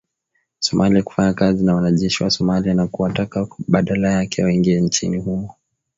Somalia kufanya kazi na wanajeshi wa Somalia na kuwataka badala yake waingie nchini humo